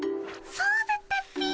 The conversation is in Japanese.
そうだったっピィ。